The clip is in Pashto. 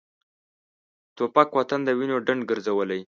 توپک وطن د وینو ډنډ ګرځولی.